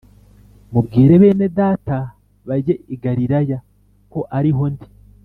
mubwire bene Data bajye i Galilaya ko ariho ndi